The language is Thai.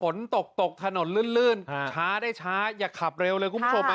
ฝนตกตกถนนลื่นช้าได้ช้าอย่าขับเร็วเลยคุณผู้ชม